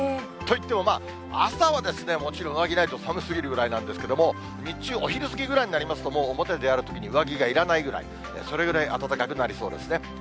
といっても、まあ朝はもちろん上着ないと寒すぎるぐらいなんですけれども、日中、お昼過ぎぐらいになりますと、もう表、出歩くときに、上着がいらないぐらい、それぐらい暖かくなりそうですね。